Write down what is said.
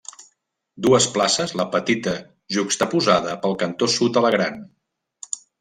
Dues places, la petita juxtaposada pel cantó sud a la gran.